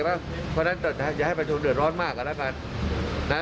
เพราะฉะนั้นจะให้ประสูญเดือดร้อนมากก่อนละครับ